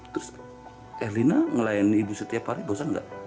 terus herdina ngelayan ibu setiap hari bosan nggak